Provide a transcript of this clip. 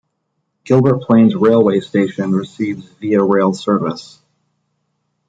Gilbert Plains railway station receives Via Rail service.